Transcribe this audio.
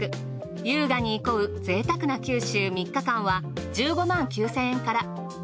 優雅に憩う贅沢な九州３日間は１５９，０００円から。